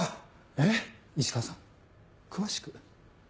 えっ⁉石川さん詳しく。